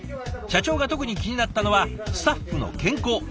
社長が特に気になったのはスタッフの健康。